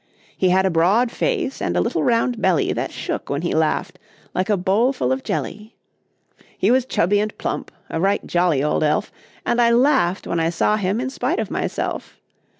He had a broad face, and a little round belly That shook when he laughed, like a bowl full of jelly. He was chubby and plump a right jolly old elf; And I laughed when I saw him in spite of myself.